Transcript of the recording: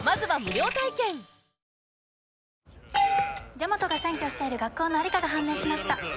ジャマトが占拠している学校の在りかが判明しました。